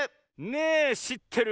「ねぇしってる？」